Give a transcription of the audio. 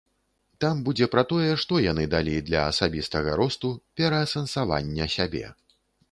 Там будзе пра тое, што яны далі для асабістага росту, пераасэнсавання сябе.